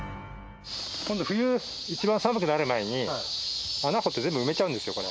今度冬いちばん寒くなる前に穴掘って全部埋めちゃうんですよこれ。